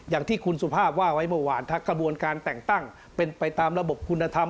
อย่างที่คุณสุภาพว่าไว้เมื่อวานถ้ากระบวนการแต่งตั้งเป็นไปตามระบบคุณธรรม